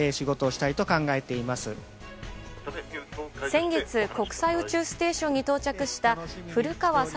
先月、国際宇宙ステーションに到着した古川聡